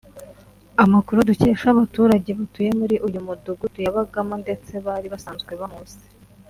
Amakuru dukesha abaturage batuye muri uyu mudugudu yabagamo ndetse bari basanzwe bamuzi